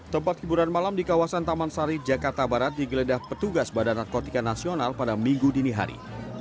tempat hiburan malam di kawasan taman sari jakarta barat digeledah petugas badan narkotika nasional pada minggu dini hari